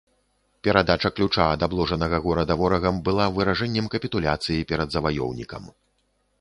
Перадача ключа ад абложанага горада ворагам была выражэннем капітуляцыі перад заваёўнікам.